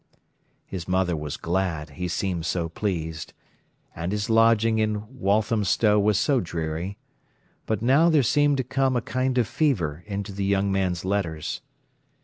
His mother was glad, he seemed so pleased. And his lodging in Walthamstow was so dreary. But now there seemed to come a kind of fever into the young man's letters.